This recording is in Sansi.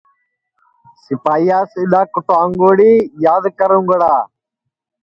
سِپائییاس اِدؔا کُٹاؤنگڑی یاد کرُونگڑا